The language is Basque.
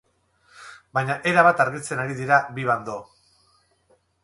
Baña erabat argitzen ari dira bi bando.